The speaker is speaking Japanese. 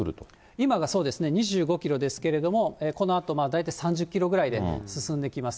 今がそうですね、２５キロですけれども、このあと、大体３０キロぐらいで進んできます。